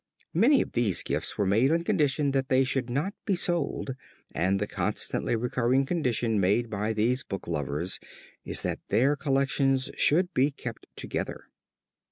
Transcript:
Many of these gifts were made on condition that they should not be sold and the constantly recurring condition made by these booklovers is that their collections should be kept together.